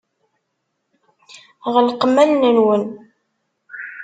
Ɣelqem allen-nwen.